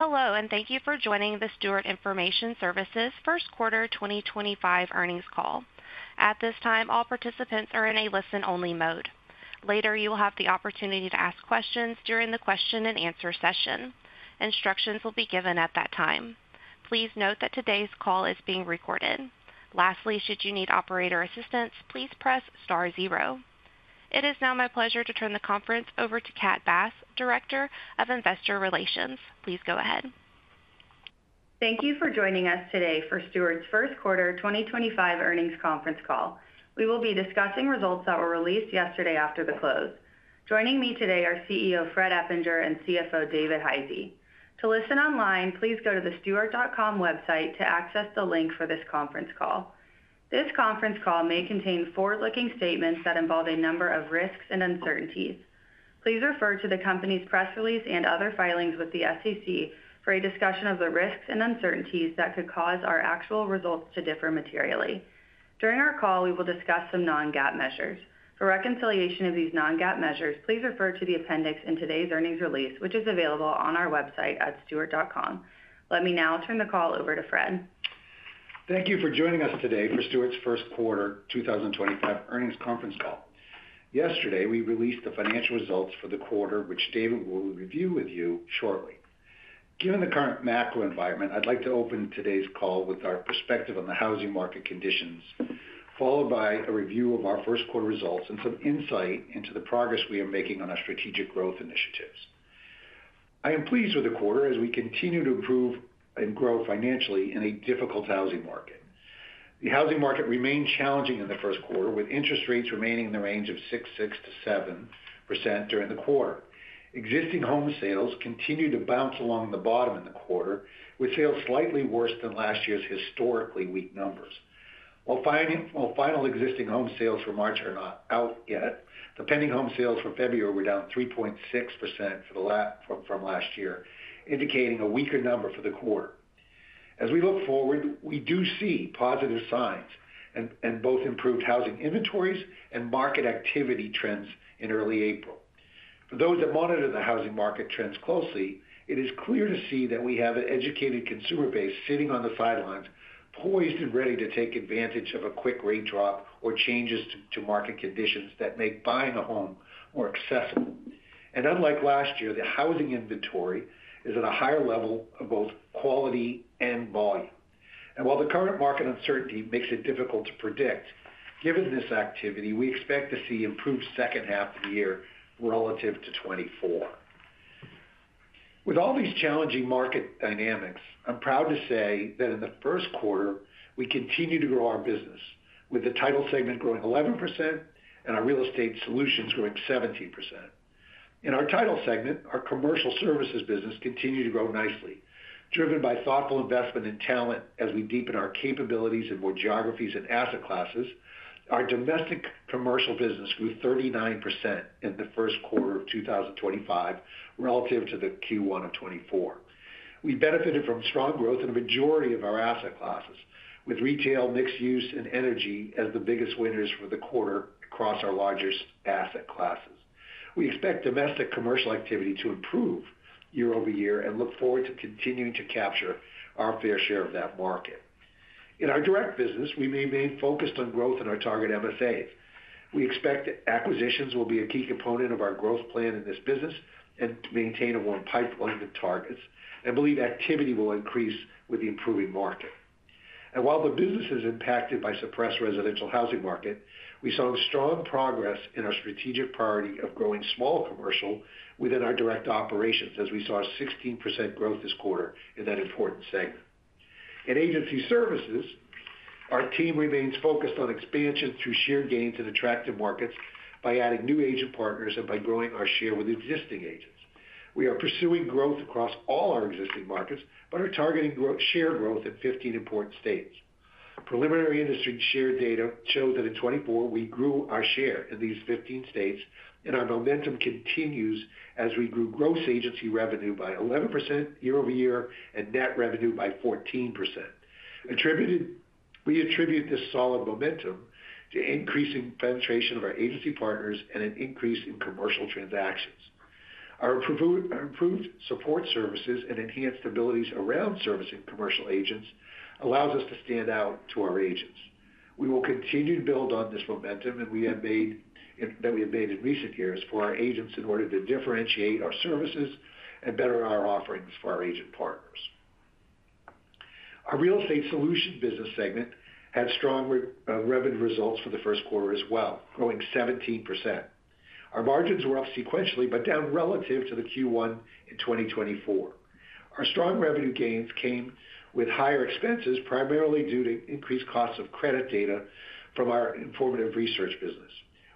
Hello, and thank you for joining the Stewart Information Services First Quarter 2025 earnings call. At this time, all participants are in a listen-only mode. Later, you will have the opportunity to ask questions during the question-and-answer session. Instructions will be given at that time. Please note that today's call is being recorded. Lastly, should you need operator assistance, please press star zero. It is now my pleasure to turn the conference over to Kat Bass, Director of Investor Relations. Please go ahead. Thank you for joining us today for Stewart's First Quarter 2025 earnings conference call. We will be discussing results that were released yesterday after the close. Joining me today are CEO Fred Eppinger and CFO David Hisey. To listen online, please go to the stewart.com website to access the link for this conference call. This conference call may contain forward-looking statements that involve a number of risks and uncertainties. Please refer to the company's press release and other filings with the SEC for a discussion of the risks and uncertainties that could cause our actual results to differ materially. During our call, we will discuss some non-GAAP measures. For reconciliation of these non-GAAP measures, please refer to the appendix in today's earnings release, which is available on our website at stewart.com. Let me now turn the call over to Fred. Thank you for joining us today for Stewart's First Quarter 2025 earnings conference call. Yesterday, we released the financial results for the quarter, which David will review with you shortly. Given the current macro environment, I'd like to open today's call with our perspective on the housing market conditions, followed by a review of our first quarter results and some insight into the progress we are making on our strategic growth initiatives. I am pleased with the quarter as we continue to improve and grow financially in a difficult housing market. The housing market remained challenging in the first quarter, with interest rates remaining in the range of 6.6-7% during the quarter. Existing home sales continue to bounce along the bottom in the quarter, with sales slightly worse than last year's historically weak numbers. While final existing home sales for March are not out yet, the pending home sales for February were down 3.6% from last year, indicating a weaker number for the quarter. As we look forward, we do see positive signs in both improved housing inventories and market activity trends in early April. For those that monitor the housing market trends closely, it is clear to see that we have an educated consumer base sitting on the sidelines, poised and ready to take advantage of a quick rate drop or changes to market conditions that make buying a home more accessible. Unlike last year, the housing inventory is at a higher level of both quality and volume. While the current market uncertainty makes it difficult to predict, given this activity, we expect to see improved second half of the year relative to 2024. With all these challenging market dynamics, I'm proud to say that in the first quarter, we continue to grow our business, with the title segment growing 11% and our real estate solutions growing 17%. In our title segment, our commercial services business continued to grow nicely, driven by thoughtful investment and talent as we deepen our capabilities in more geographies and asset classes. Our domestic commercial business grew 39% in the first quarter of 2025 relative to the Q1 of 2024. We benefited from strong growth in the majority of our asset classes, with retail, mixed use, and energy as the biggest winners for the quarter across our largest asset classes. We expect domestic commercial activity to improve year over year and look forward to continuing to capture our fair share of that market. In our direct business, we remain focused on growth in our target MSAs. We expect acquisitions will be a key component of our growth plan in this business and maintain a warm pipeline to targets, and believe activity will increase with the improving market. While the business is impacted by the suppressed residential housing market, we saw strong progress in our strategic priority of growing small commercial within our direct operations, as we saw 16% growth this quarter in that important segment. In agency services, our team remains focused on expansion through share gains in attractive markets by adding new agent partners and by growing our share with existing agents. We are pursuing growth across all our existing markets but are targeting share growth in 15 important states. Preliminary industry share data show that in 2024, we grew our share in these 15 states, and our momentum continues as we grew gross agency revenue by 11% year over year and net revenue by 14%. We attribute this solid momentum to increasing penetration of our agency partners and an increase in commercial transactions. Our improved support services and enhanced abilities around servicing commercial agents allow us to stand out to our agents. We will continue to build on this momentum that we have made in recent years for our agents in order to differentiate our services and better our offerings for our agent partners. Our real estate solutions business segment had strong revenue results for the first quarter as well, growing 17%. Our margins were up sequentially but down relative to the Q1 in 2024. Our strong revenue gains came with higher expenses, primarily due to increased costs of credit data from our Informative Research business.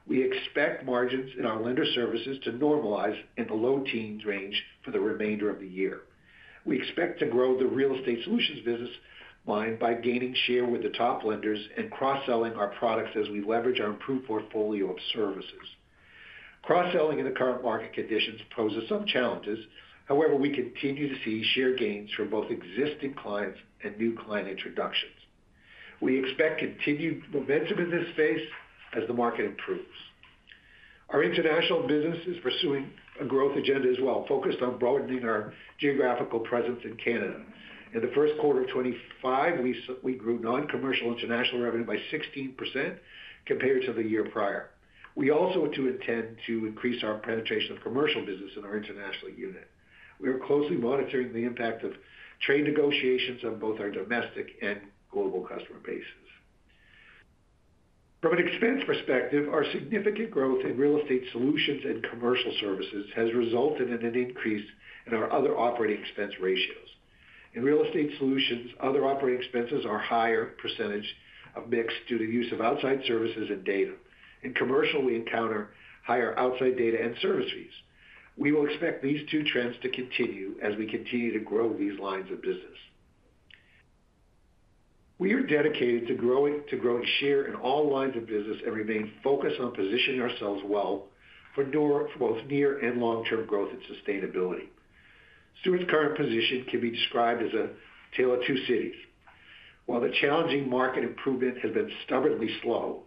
We expect margins in our lender services to normalize in the low teens range for the remainder of the year. We expect to grow the real estate solutions business line by gaining share with the top lenders and cross-selling our products as we leverage our improved portfolio of services. Cross-selling in the current market conditions poses some challenges. However, we continue to see share gains from both existing clients and new client introductions. We expect continued momentum in this space as the market improves. Our international business is pursuing a growth agenda as well, focused on broadening our geographical presence in Canada. In the first quarter of 2025, we grew non-commercial international revenue by 16% compared to the year prior. We also intend to increase our penetration of commercial business in our international unit. We are closely monitoring the impact of trade negotiations on both our domestic and global customer bases. From an expense perspective, our significant growth in real estate solutions and commercial services has resulted in an increase in our other operating expense ratios. In real estate solutions, other operating expenses are a higher percentage of mix due to the use of outside services and data. In commercial, we encounter higher outside data and service fees. We will expect these two trends to continue as we continue to grow these lines of business. We are dedicated to growing share in all lines of business and remain focused on positioning ourselves well for both near and long-term growth and sustainability. Stewart's current position can be described as a tale of two cities. While the challenging market improvement has been stubbornly slow,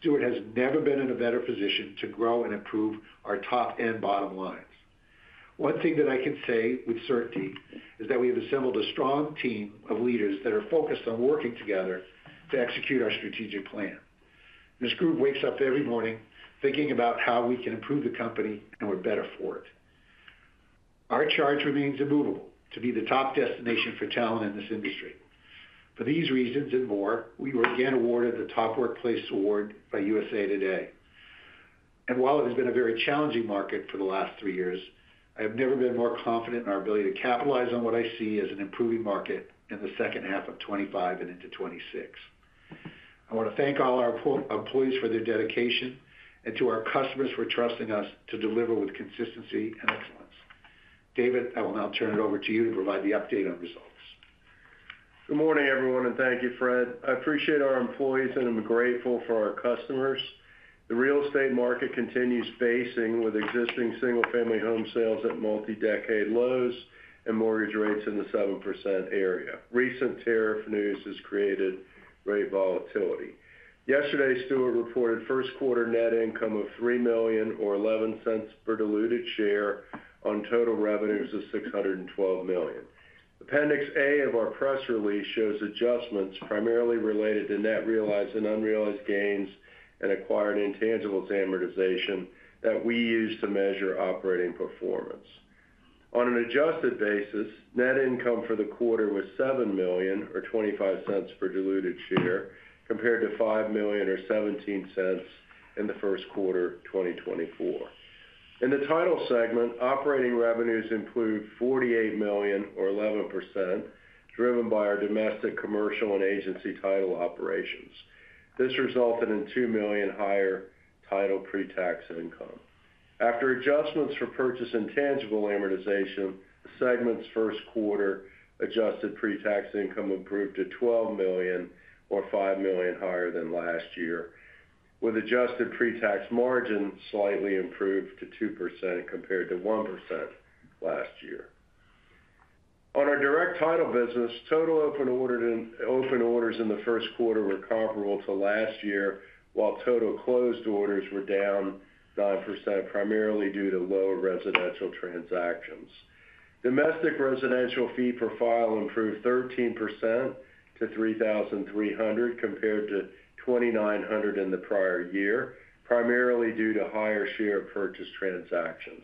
Stewart has never been in a better position to grow and improve our top and bottom lines. One thing that I can say with certainty is that we have assembled a strong team of leaders that are focused on working together to execute our strategic plan. This group wakes up every morning thinking about how we can improve the company and we're better for it. Our charge remains immovable to be the top destination for talent in this industry. For these reasons and more, we were again awarded the Top Workplace Award by USA Today. While it has been a very challenging market for the last three years, I have never been more confident in our ability to capitalize on what I see as an improving market in the second half of 2025 and into 2026. I want to thank all our employees for their dedication and to our customers for trusting us to deliver with consistency and excellence. David, I will now turn it over to you to provide the update on results. Good morning, everyone, and thank you, Fred. I appreciate our employees and am grateful for our customers. The real estate market continues facing with existing single-family home sales at multi-decade lows and mortgage rates in the 7% area. Recent tariff news has created great volatility. Yesterday, Stewart reported first quarter net income of $3 million or $0.11 per diluted share on total revenues of $612 million. Appendix A of our press release shows adjustments primarily related to net realized and unrealized gains and acquired intangibles amortization that we use to measure operating performance. On an adjusted basis, net income for the quarter was $7 million or $0.25 per diluted share compared to $5 million or $0.17 in the first quarter 2024. In the title segment, operating revenues improved $48 million or 11%, driven by our domestic commercial and agency title operations. This resulted in $2 million higher title pre-tax income. After adjustments for purchase intangible amortization, the segment's first quarter adjusted pre-tax income improved to $12 million or $5 million higher than last year, with adjusted pre-tax margin slightly improved to 2% compared to 1% last year. On our direct title business, total open orders in the first quarter were comparable to last year, while total closed orders were down 9%, primarily due to low residential transactions. Domestic residential fee profile improved 13% to $3,300 compared to $2,900 in the prior year, primarily due to higher share purchase transactions.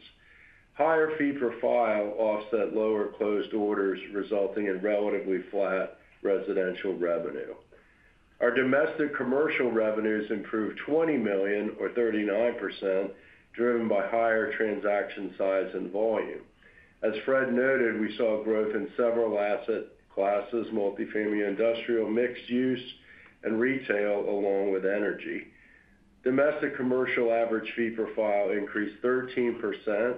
Higher fee profile offset lower closed orders, resulting in relatively flat residential revenue. Our domestic commercial revenues improved $20 million or 39%, driven by higher transaction size and volume. As Fred noted, we saw growth in several asset classes: multifamily, industrial, mixed use, and retail, along with energy. Domestic commercial average fee profile increased 13%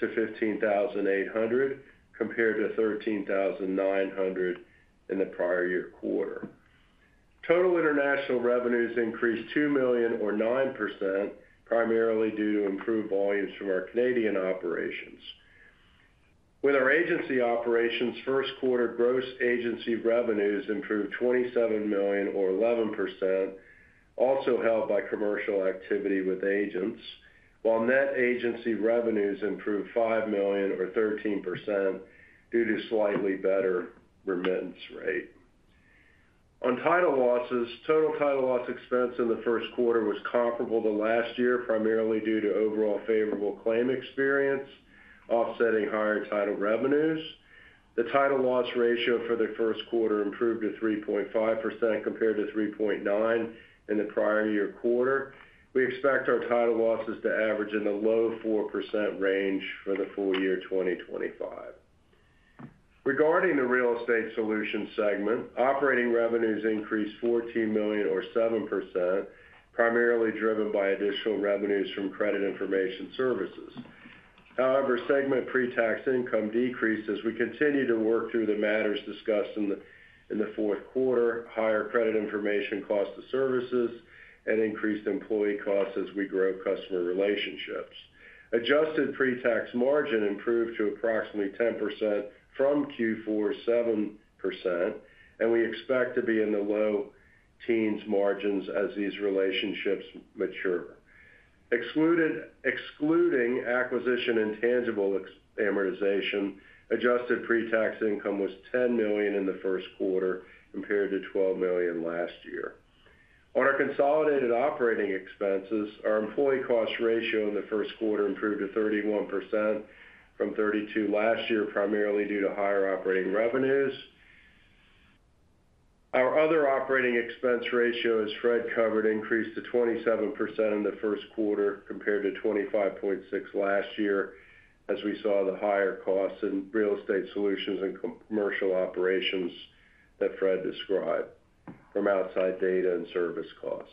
to $15,800 compared to $13,900 in the prior year quarter. Total international revenues increased $2 million or 9%, primarily due to improved volumes from our Canadian operations. With our agency operations, first quarter gross agency revenues improved $27 million or 11%, also held by commercial activity with agents, while net agency revenues improved $5 million or 13% due to slightly better remittance rate. On title losses, total title loss expense in the first quarter was comparable to last year, primarily due to overall favorable claim experience offsetting higher title revenues. The title loss ratio for the first quarter improved to 3.5% compared to 3.9% in the prior year quarter. We expect our title losses to average in the low 4% range for the full year 2025. Regarding the real estate solution segment, operating revenues increased $14 million or 7%, primarily driven by additional revenues from credit information services. However, segment pre-tax income decreased as we continue to work through the matters discussed in the fourth quarter: higher credit information costs to services and increased employee costs as we grow customer relationships. Adjusted pre-tax margin improved to approximately 10% from Q4, 7%, and we expect to be in the low teens margins as these relationships mature. Excluding acquisition intangible amortization, adjusted pre-tax income was $10 million in the first quarter compared to $12 million last year. On our consolidated operating expenses, our employee cost ratio in the first quarter improved to 31% from 32% last year, primarily due to higher operating revenues. Our other operating expense ratio as Fred covered increased to 27% in the first quarter compared to 25.6% last year, as we saw the higher costs in real estate solutions and commercial operations that Fred described from outside data and service costs.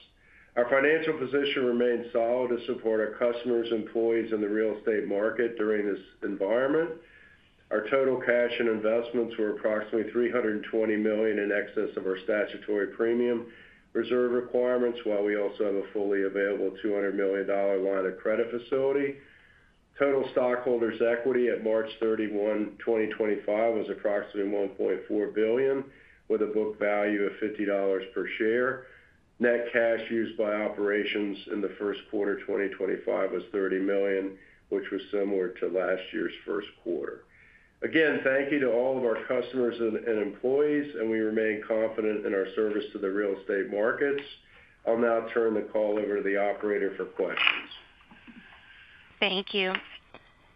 Our financial position remained solid to support our customers, employees, and the real estate market during this environment. Our total cash and investments were approximately $320 million in excess of our statutory premium reserve requirements, while we also have a fully available $200 million line of credit facility. Total stockholders' equity at March 31, 2025, was approximately $1.4 billion, with a book value of $50 per share. Net cash used by operations in the first quarter 2025 was $30 million, which was similar to last year's first quarter. Again, thank you to all of our customers and employees, and we remain confident in our service to the real estate markets. I'll now turn the call over to the operator for questions. Thank you.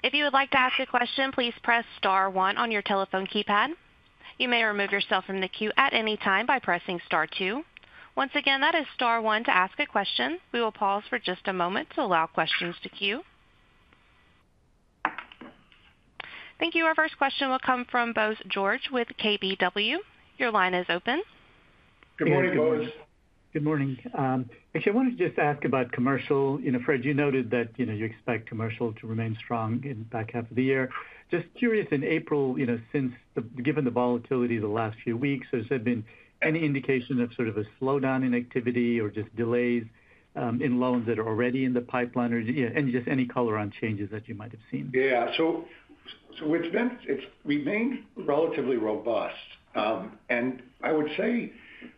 If you would like to ask a question, please press Star 1 on your telephone keypad. You may remove yourself from the queue at any time by pressing Star 2. Once again, that is Star 1 to ask a question. We will pause for just a moment to allow questions to queue. Thank you. Our first question will come from Bose George with KBW. Your line is open. Good morning, Bose. Good morning. Actually, I wanted to just ask about commercial. Fred, you noted that you expect commercial to remain strong in the back half of the year. Just curious, in April, given the volatility of the last few weeks, has there been any indication of sort of a slowdown in activity or just delays in loans that are already in the pipeline? Or just any color on changes that you might have seen? Yeah. We have been relatively robust. I would say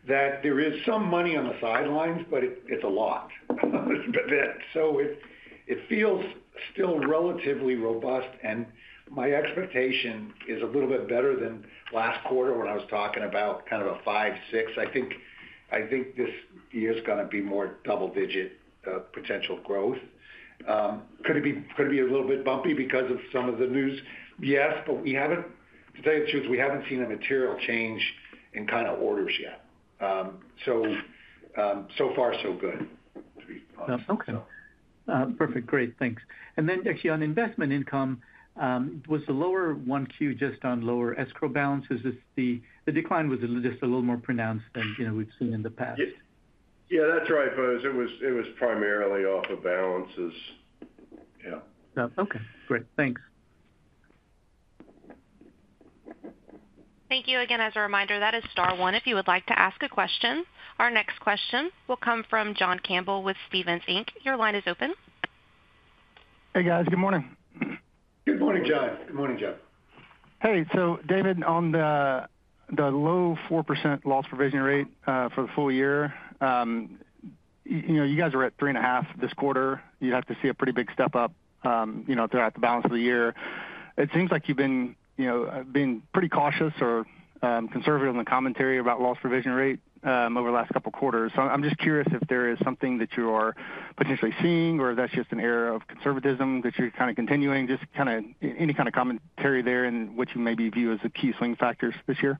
that there is some money on the sidelines, but it is a lot. It feels still relatively robust. My expectation is a little bit better than last quarter when I was talking about kind of a 5, 6. I think this year is going to be more double-digit potential growth. Could it be a little bit bumpy because of some of the news? Yes. To tell you the truth, we have not seen a material change in kind of orders yet. So far, so good. Okay. Perfect. Great. Thanks. Actually, on investment income, was the lower one Q just on lower escrow balances? The decline was just a little more pronounced than we've seen in the past. Yeah, that's right, Bose. It was primarily off of balances. Yeah. Okay. Great. Thanks. Thank you again. As a reminder, that is Star 1 if you would like to ask a question. Our next question will come from John Campbell with Stephens Inc. Your line is open. Hey, guys. Good morning. Good morning, John. Hey. David, on the low 4% loss provision rate for the full year, you guys are at 3.5% this quarter. You'd have to see a pretty big step up throughout the balance of the year. It seems like you've been pretty cautious or conservative in the commentary about loss provision rate over the last couple of quarters. I'm just curious if there is something that you are potentially seeing or if that's just an era of conservatism that you're kind of continuing. Just kind of any kind of commentary there and what you maybe view as the key swing factors this year.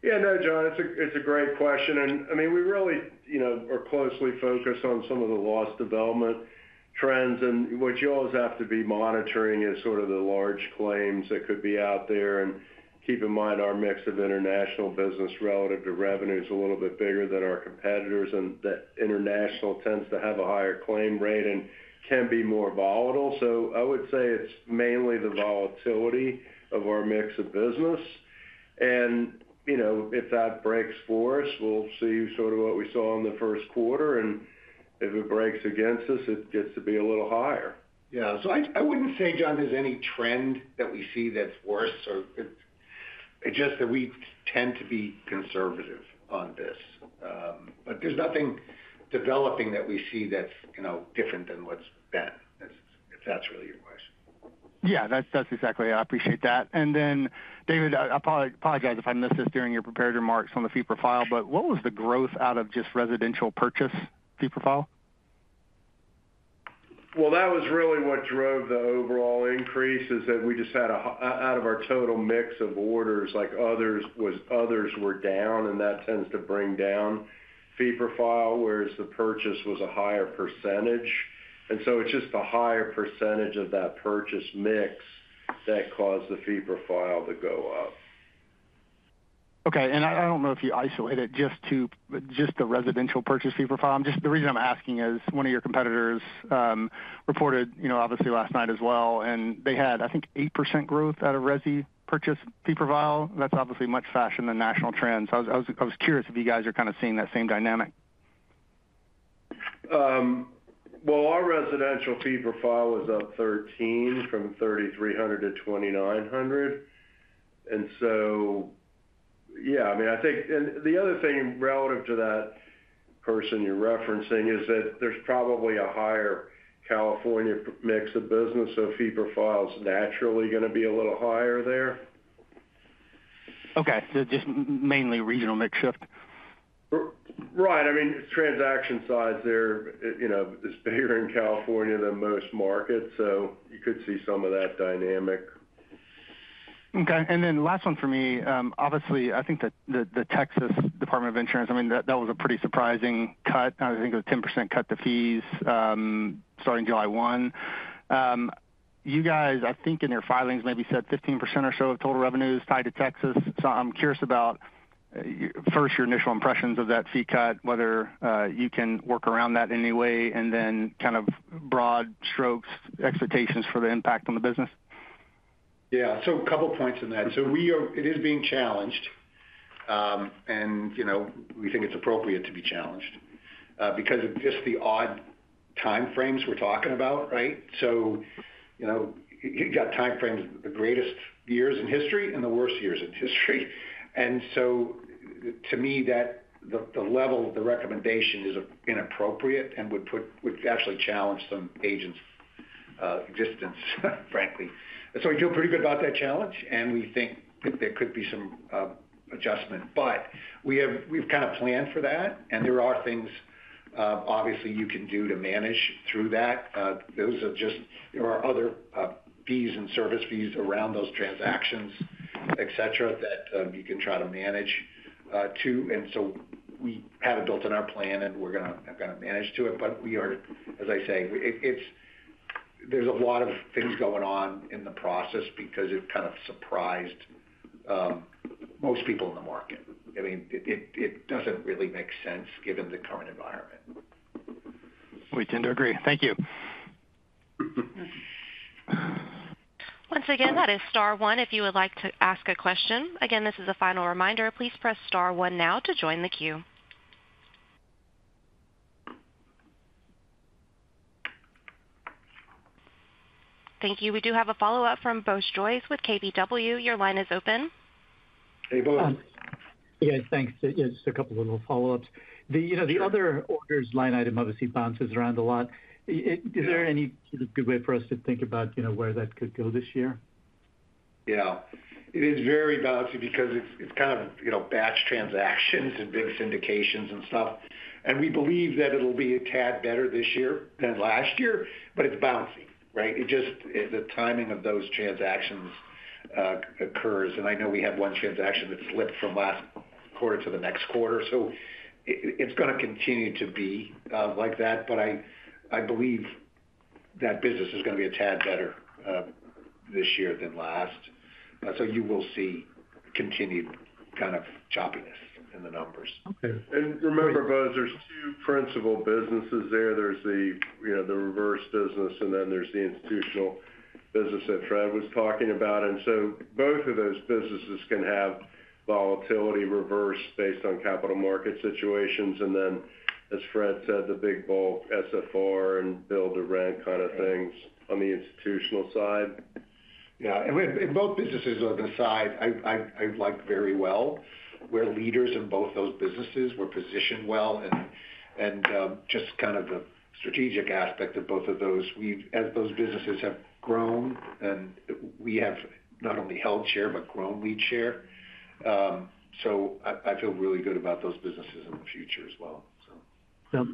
Yeah. No, John, it's a great question. I mean, we really are closely focused on some of the loss development trends. What you always have to be monitoring is sort of the large claims that could be out there. Keep in mind our mix of international business relative to revenue is a little bit bigger than our competitors. That international tends to have a higher claim rate and can be more volatile. I would say it's mainly the volatility of our mix of business. If that breaks for us, we'll see sort of what we saw in the first quarter. If it breaks against us, it gets to be a little higher. Yeah. I would not say, John, there is any trend that we see that is worse. It is just that we tend to be conservative on this. There is nothing developing that we see that is different than what has been. If that is really your question. Yeah. That's exactly it. I appreciate that. David, I apologize if I missed this during your prepared remarks on the fee profile, but what was the growth out of just residential purchase fee profile? That was really what drove the overall increase is that we just had out of our total mix of orders, others were down. That tends to bring down fee profile, whereas the purchase was a higher percentage. It is just the higher percentage of that purchase mix that caused the fee profile to go up. Okay. I do not know if you isolated just the residential purchase fee profile. The reason I'm asking is one of your competitors reported, obviously, last night as well. They had, I think, 8% growth out of resi purchase fee profile. That is obviously much faster than national trends. I was curious if you guys are kind of seeing that same dynamic. Our residential fee profile was up 13 from $3,300 to $2,900. I mean, I think the other thing relative to that person you're referencing is that there's probably a higher California mix of business. Fee profile's naturally going to be a little higher there. Okay. Just mainly regional mix shift. Right. I mean, transaction size there is bigger in California than most markets. You could see some of that dynamic. Okay. And then last one for me, obviously, I think the Texas Department of Insurance, I mean, that was a pretty surprising cut. I think it was a 10% cut to fees starting July 1. You guys, I think in your filings, maybe said 15% or so of total revenues tied to Texas. So I'm curious about, first, your initial impressions of that fee cut, whether you can work around that in any way, and then kind of broad strokes, expectations for the impact on the business. Yeah. A couple of points in that. It is being challenged. We think it's appropriate to be challenged because of just the odd timeframes we're talking about, right? You've got timeframes, the greatest years in history and the worst years in history. To me, the level of the recommendation is inappropriate and would actually challenge some agents' existence, frankly. We feel pretty good about that challenge. We think there could be some adjustment. We've kind of planned for that. There are things, obviously, you can do to manage through that. There are other fees and service fees around those transactions, etc., that you can try to manage too. We have it built in our plan, and we're going to manage to it. We are, as I say, there's a lot of things going on in the process because it kind of surprised most people in the market. I mean, it doesn't really make sense given the current environment. We tend to agree. Thank you. Once again, that is Star 1. If you would like to ask a question, again, this is a final reminder. Please press Star 1 now to join the queue. Thank you. We do have a follow-up from Bose George with KBW. Your line is open. Hey, Bose. Yeah. Thanks. Just a couple of little follow-ups. The other orders line item obviously bounces around a lot. Is there any sort of good way for us to think about where that could go this year? Yeah. It is very bouncy because it's kind of batch transactions and big syndications and stuff. We believe that it'll be a tad better this year than last year, but it's bouncing, right? It just, the timing of those transactions occurs. I know we have one transaction that slipped from last quarter to the next quarter. It's going to continue to be like that. I believe that business is going to be a tad better this year than last. You will see continued kind of choppiness in the numbers. Okay. Remember, Bose, there's two principal businesses there. There's the reverse business, and then there's the institutional business that Fred was talking about. Both of those businesses can have volatility reversed based on capital market situations. As Fred said, the big bulk SFR and build-to-rent kind of things on the institutional side. Yeah. Both businesses are the side I like very well. We're leaders in both those businesses. We're positioned well. Just kind of the strategic aspect of both of those, as those businesses have grown, and we have not only held share but grown lead share. I feel really good about those businesses in the future as well.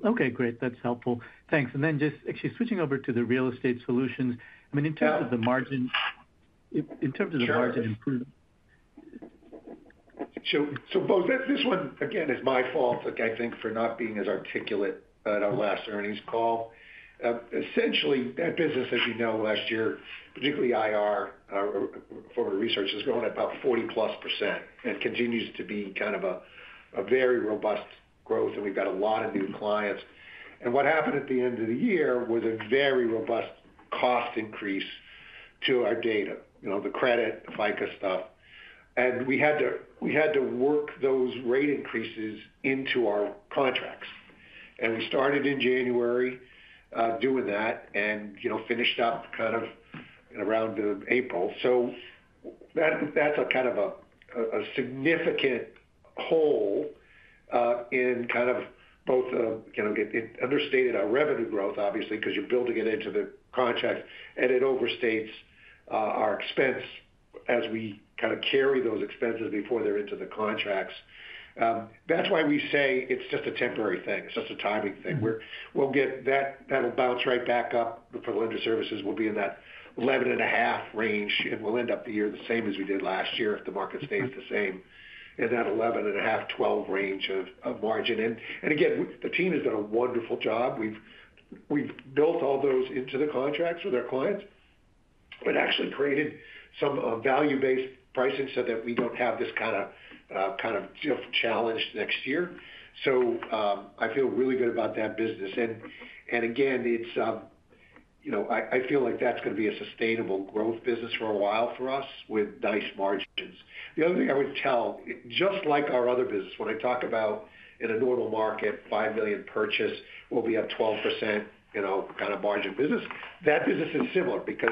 Okay. Great. That's helpful. Thanks. Actually, switching over to the real estate solutions, I mean, in terms of the margin, in terms of the margin improvement. Bose, this one, again, is my fault, I think, for not being as articulate at our last earnings call. Essentially, that business, as you know, last year, particularly IR, Informative Research, has grown at about 40% plus and continues to be kind of a very robust growth. And we've got a lot of new clients. What happened at the end of the year was a very robust cost increase to our data, the credit, FICO stuff. We had to work those rate increases into our contracts. We started in January doing that and finished up kind of around April. That's kind of a significant hole in both understated our revenue growth, obviously, because you're building it into the contracts. It overstates our expense as we kind of carry those expenses before they're into the contracts. That's why we say it's just a temporary thing. It's just a timing thing. That'll bounce right back up. The lender services will be in that 11.5 range. We'll end up the year the same as we did last year if the market stays the same in that 11.5-12 range of margin. The team has done a wonderful job. We've built all those into the contracts for their clients and actually created some value-based pricing so that we don't have this kind of challenge next year. I feel really good about that business. I feel like that's going to be a sustainable growth business for a while for us with nice margins. The other thing I would tell, just like our other business, when I talk about in a normal market, $5 million purchase will be a 12% kind of margin business. That business is similar because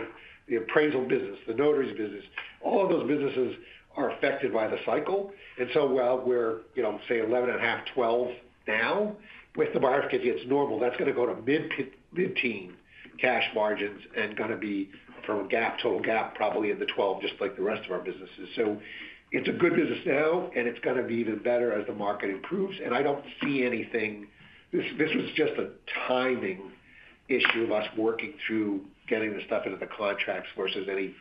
the appraisal business, the notary's business, all of those businesses are affected by the cycle. While we're, say, 11.5, 12 now, with the market gets normal, that's going to go to mid-teen cash margins and going to be from a GAAP, total GAAP, probably in the 12, just like the rest of our businesses. It is a good business now, and it is going to be even better as the market improves. I do not see anything. This was just a timing issue of us working through getting the stuff into the contracts versus any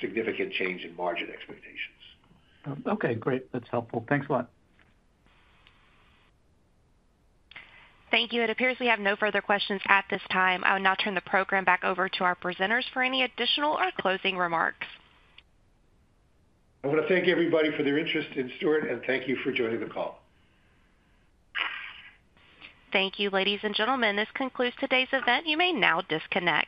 significant change in margin expectations. Okay. Great. That's helpful. Thanks a lot. Thank you. It appears we have no further questions at this time. I will now turn the program back over to our presenters for any additional or closing remarks. I want to thank everybody for their interest in Stewart and thank you for joining the call. Thank you, ladies and gentlemen. This concludes today's event. You may now disconnect.